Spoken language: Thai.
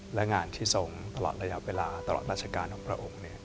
และงานที่ทรงตลอดระยะเวลาตลอดราชการของพระองค์